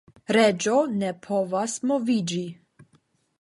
Reĝo ne povas moviĝi.